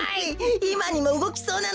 いまにもうごきそうなのだ。